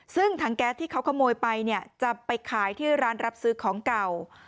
ซึ่งถังแก๊สที่เขาขโมยไปเนี่ยจะไปขายที่ร้านรับซื้อของเก่า